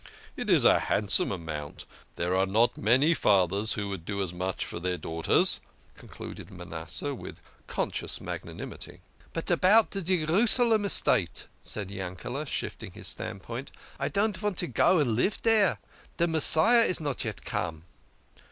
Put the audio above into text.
It is a handsome amount. There are not many fathers who would do as much for their daughters," concluded Manasseh with conscious magnanimity. " But about de Jerusalem estate !" said Yankele, shifting his standpoint. " I don't vant to go and live dere. De Messiah is not yet come."